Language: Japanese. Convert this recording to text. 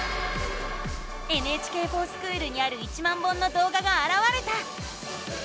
「ＮＨＫｆｏｒＳｃｈｏｏｌ」にある１万本のどうががあらわれた！